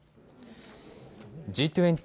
Ｇ２０・